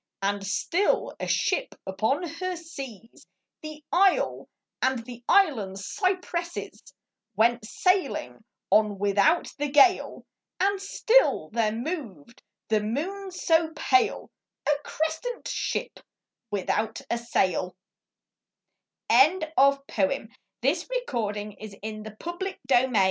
And still, a ship upon her seas. The isle and the island cypresses Went sailing on without the gale : And still there moved the moon so pale, A crescent ship without a sail ' I7S Oak and Olive \ Though I was born a Lond